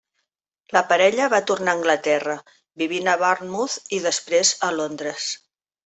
La parella va tornar a Anglaterra, vivint a Bournemouth i després a Londres.